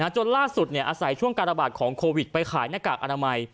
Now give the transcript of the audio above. จนล่าสุดอาศัยช่วงการระบาดของโควิดไปขายหน้ากากอนามัย